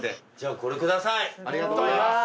ありがとうございます。